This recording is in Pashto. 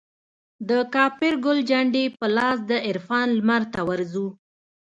دکاپرګل جنډې په لاس دعرفان لمرته ورځو